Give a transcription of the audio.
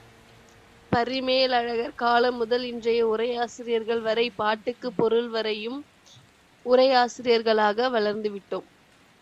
பரிமேலழகர் காலம் முதல் இன்றைய உரையாசிரியர்கள் வரை பாட்டுக்குப் பொருள்வரையும் உரையாசிரியர்களாக வளர்ந்து விட்டோம்.